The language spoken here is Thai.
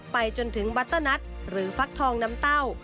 ไปจนถึงบัตเตอร์นัทหรือฟักทองน้ำเต้า